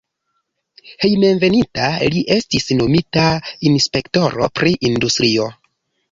Hejmenveninta li estis nomita inspektoro pri industrio.